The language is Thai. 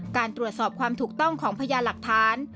การตรวจสอบความถูกต้องของพยานหลักฐาน